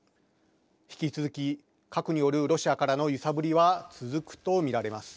引き続き、核によるロシアからの揺さぶりは続くと見られます。